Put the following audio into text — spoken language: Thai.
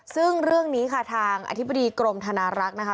ซึ่งเรื่องนี้ค่ะทางอธิบดีกรมธนารักษ์นะคะ